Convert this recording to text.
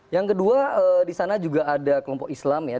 yang kedua di sana juga ada kelompok islam ya